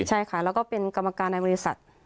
ใช่ค่ะแล้วก็เป็นกรรมการในบริษัท